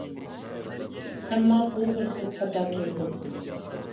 ئەمما، بۇ بىر خىل خاتا تۇيغۇ.